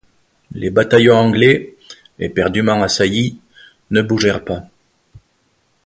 Les bataillons anglais, éperdument assaillis, ne bougèrent pas.